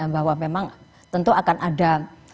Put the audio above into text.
bahwa memang tentu akan ada